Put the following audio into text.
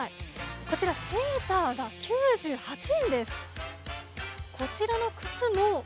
こちらセーターが９８円です。